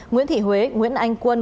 nguyễn thị huế nguyễn anh quân